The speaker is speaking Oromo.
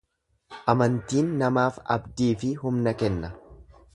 Amantiin namaaf abdii fi humna kenna.